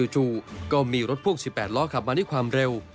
จู่ก็มีรถพ่วง๑๘ล้อขับมาด้วยความเร็ว